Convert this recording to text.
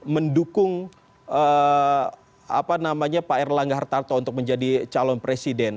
mendukung pak erlangga hartarto untuk menjadi calon presiden